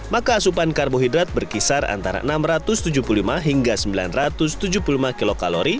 maka asupan karbohidrat berkisar antara enam ratus tujuh puluh lima hingga sembilan ratus tujuh puluh lima klori